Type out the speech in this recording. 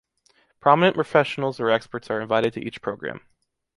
Prominent professionals or experts are invited to each program.